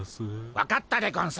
分かったでゴンス。